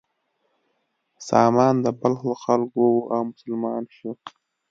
سامان د بلخ له خلکو و او مسلمان شو.